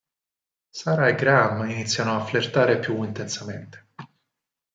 Sarah e Graham iniziano a flirtare più intensamente.